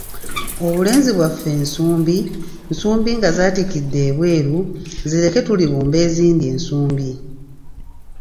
Obulenzi bwaffe nsumbi, nsumbi nga zaatikidde ebweru, zireke tulibumba ezindi ensumbi.